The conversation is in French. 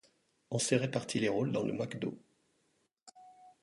on s'est réparti les rôles dans le Mc Do.